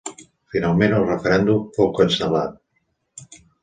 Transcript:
Finalment el referèndum fou cancel·lat.